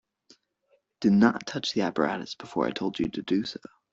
Do not touch the apparatus before I told you to do so.